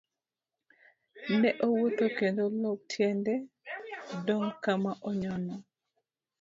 Ne owuotho kendo lop tiende dong' kama onyono.